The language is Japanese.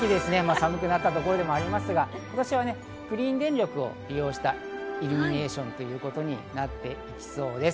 寒くなったところでもありますが、今年はグリーン電力を使ったイルミネーションということになっています。